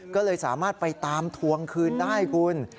ก็เลยสามารถไปตามทวงคืนได้คุณ